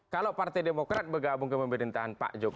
kalau partai demokrat bergabung ke pemerintahan pak jokowi